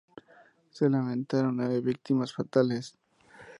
Se lamentaron nueve víctimas fatales.